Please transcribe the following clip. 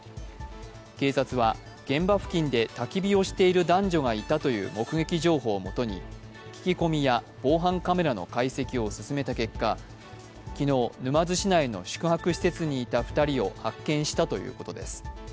警察は、現場付近でたき火をしている男女がいたという目撃情報をもとに聞き込みや防犯カメラの解析を進めた結果、昨日、沼津市内の宿泊施設にいた２人を発見したということです